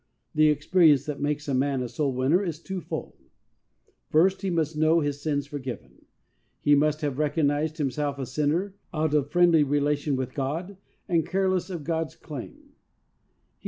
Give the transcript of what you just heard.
The experience that makes a man a soul winner is two fold. First, he must know his sins forgiven; he must have recognized himself a sinner, out of friendly relation with God, and careless of God's claim, heed PERSONAL EXPERIENCE.